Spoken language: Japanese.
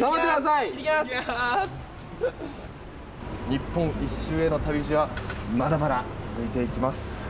日本１周への旅路はまだまだ続いていきます。